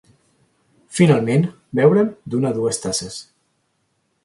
Finalment, beure'n d'una a dues tasses.